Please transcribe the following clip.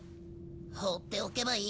放っておけばいいのに。